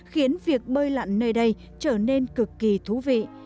khiến việc bơi lặn nơi đây trở nên cực kỳ thú vị